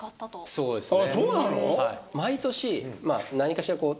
そうですね。